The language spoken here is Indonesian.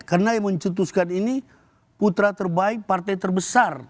karena yang mencetuskan ini putra terbaik partai terbesar